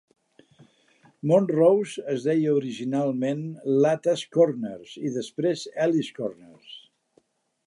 Montrose es deia originalment Latta's Corners i després Ellis' Corners.